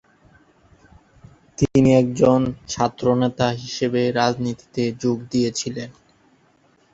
তিনি একজন ছাত্রনেতা হিসেবে রাজনীতিতে যোগ দিয়েছিলেন।